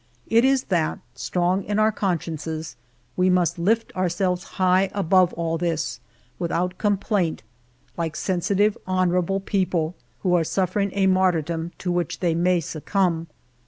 It is that, strong in our consciences, we must lift ourselves high above all this, without complaint, like sensitive, honor able people, who are suffering a martyrdom to which they may succumb.